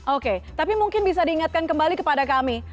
oke tapi mungkin bisa diingatkan kembali kepada kami